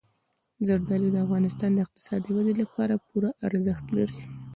زردالو د افغانستان د اقتصادي ودې لپاره پوره ارزښت لري.